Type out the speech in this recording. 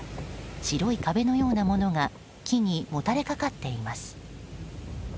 白い壁のようなものが木にもたれかかっています。